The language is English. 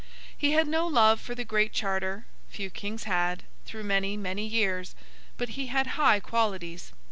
He had no love for the Great Charter—few Kings had, through many, many years—but he had high qualities.